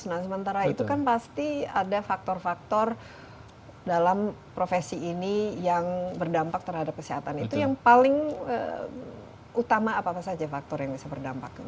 nah sementara itu kan pasti ada faktor faktor dalam profesi ini yang berdampak terhadap kesehatan itu yang paling utama apa saja faktor yang bisa berdampak